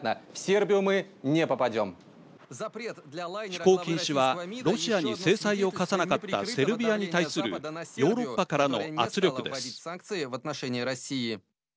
飛行禁止はロシアに制裁を科さなかったセルビアに対するヨーロッパからの圧力です。